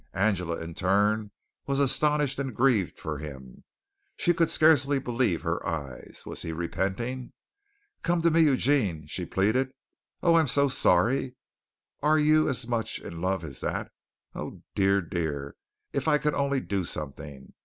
Angela, in turn, was astonished and grieved for him. She could scarcely believe her eyes. Was he repenting? "Come to me, Eugene!" she pleaded. "Oh, I'm so sorry! Are you as much in love as that? Oh, dear, dear, if I could only do something!